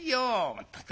まったく。